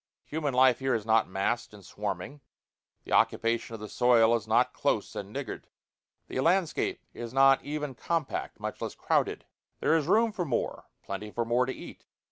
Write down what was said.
Human life here is not massed and swarming. The occupation of the soil is not close and niggard. The landscape is not even compact, much less crowded. There is room for more, plenty for more to eat.